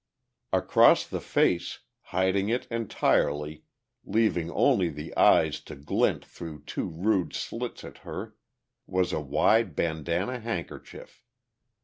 Across the face, hiding it entirely, leaving only the eyes to glint through two rude slits at her, was a wide bandana handkerchief.